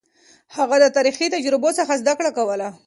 هغه د تاريخي تجربو څخه زده کړه کوله.